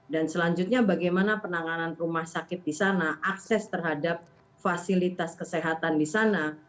dan selanjutnya bagaimana penanganan rumah sakit di sana akses terhadap fasilitas kesehatan di sana